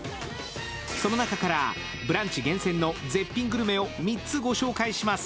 その中から、「ブランチ」厳選の絶品グルメを３つご紹介します。